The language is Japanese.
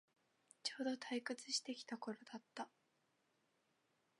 ちょうど退屈してきた頃だった